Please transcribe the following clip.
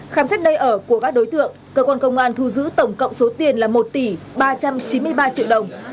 khám xét nơi ở của các đối tượng cơ quan công an thu giữ tổng cộng số tiền là một tỷ ba trăm chín mươi ba triệu đồng